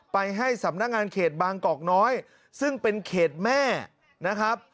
ไปให้สำนักงานเขตบางกอกน้อยซึ่งเป็นเขตแม่นะครับ